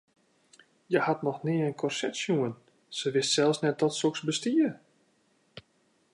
Hja hat noch nea in korset sjoen, se wist sels net dat soks bestie.